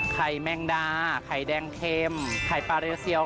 ไข่แม่งดาไข่แดงเข้มไข่ปลาเรียเซียว